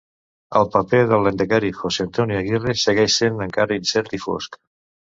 El paper del lehendakari José Antonio Aguirre segueix sent encara incert i fosc.